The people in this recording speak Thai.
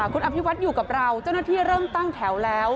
คุณอภิวัตอยู่กับเราเจ้าหน้าที่เริ่มตั้งแถวแล้ว